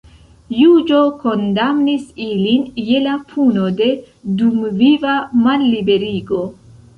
Juĝo kondamnis ilin je la puno de dumviva malliberigo.